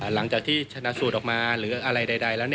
หลังจากที่ชนะสูตรออกมาหรืออะไรใดแล้ว